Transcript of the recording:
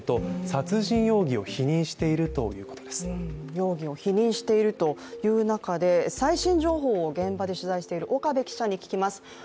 容疑を否認しているという中で、最新情報を現場で取材している岡部記者に聞きます。